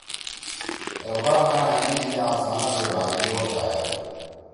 اقبال خان أمینی مے افسانہ سی راوی او شاعر تُھو۔